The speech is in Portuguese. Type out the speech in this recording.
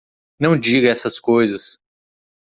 Não diga essas coisas!